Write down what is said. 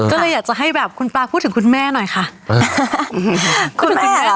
เออเออก็เลยอยากจะให้แบบคุณปลาพูดถึงคุณแม่หน่อยค่ะคุณแม่หรอค่ะ